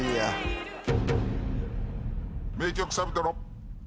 名曲サビトロ。